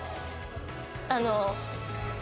あの。